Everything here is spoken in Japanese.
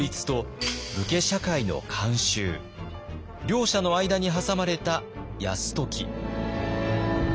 両者の間に挟まれた泰時。